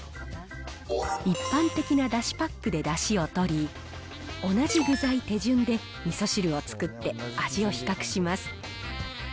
一般的なだしパックでだしを取り、同じ具材、手順でみそ汁を作って味を比較します。